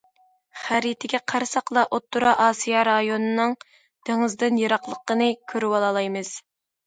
خەرىتىگە قارىساقلا ئوتتۇرا ئاسىيا رايونىنىڭ دېڭىزدىن يىراقلىقىنى كۆرۈۋالالايمىز.